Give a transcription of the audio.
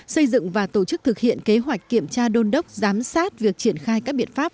xây dựng và tổ chức thực hiện kế hoạch kiểm tra đôn đốc giám sát việc triển khai các biện pháp